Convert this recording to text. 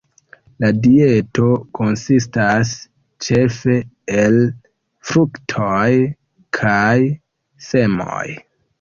La dieto konsistas ĉefe el fruktoj kaj semoj.